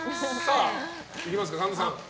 いきますか、神田さん。